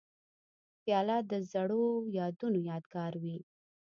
پیاله د زړو یادونو یادګار وي.